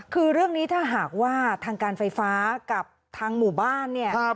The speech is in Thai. คือเรื่องนี้ถ้าหากว่าทางการไฟฟ้ากับทางหมู่บ้านเนี่ย